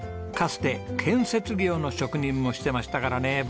かつて建設業の職人もしてましたからね